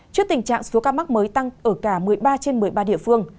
trước tình trạng số ca mắc mới tăng ở cả một mươi ba trên một mươi ba địa phương